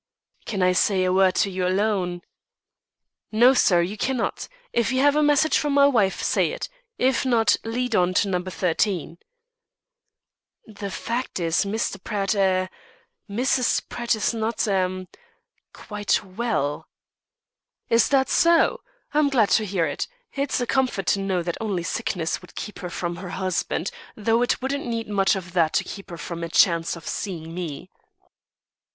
"Can I say a word to you alone?" "No, sir, you cannot. If you have a message from my wife, say it. If not, lead on to No. 13." "The fact is, Mr. Pratt, eh Mrs. Pratt is not eh quite well." "Is that so? I'm glad to hear it. It's a comfort to know that only sickness would keep her from her husband; though it wouldn't need much of that to keep her from a chance of seeing me."